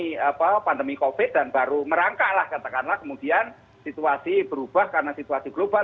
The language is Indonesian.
kita baru mengalami pandemi covid dan baru merangkaklah katakanlah kemudian situasi berubah karena situasi global